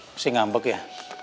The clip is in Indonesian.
masih ngambek ya